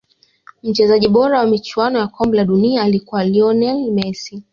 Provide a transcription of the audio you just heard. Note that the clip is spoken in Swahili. mchezaji bora wa michuano ya kombe la dunia alikuwa lionel messi